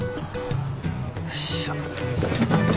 よっしゃ。